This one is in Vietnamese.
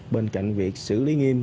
bên cạnh việc xử lý nghiêm